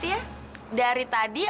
dari tadi apa yang kita ongkirkan